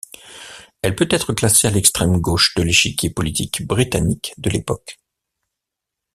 Elle peut être classée à l'extrême-gauche de l'échiquier politique britannique de l'époque.